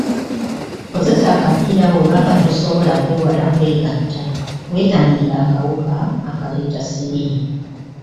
Kozesa akapiira bw'oba nga tosobola kwewala kwegatta weetangire akawuka akaleeta siriimu.